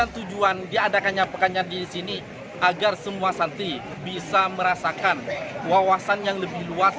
tujuan diadakannya pekannya di sini agar semua santri bisa merasakan wawasan yang lebih luas